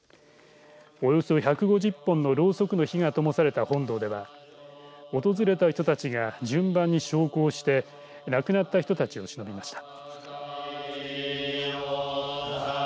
およそ１５０本のろうそくの火がともされた本堂では訪れた人たちが順番に焼香して亡くなった人たちをしのびました。